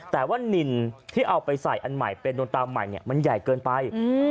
แต่ว่านินที่เอาไปใส่อันใหม่เป็นนตาใหม่มันใหญ่เกินไป